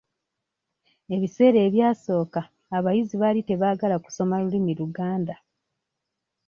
Ebiseera ebyasooka abayizi baali tebaagala kusoma lulimi Luganda.